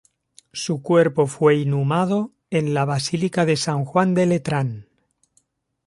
Su cuerpo fue inhumado en la Basílica de San Juan de Letrán.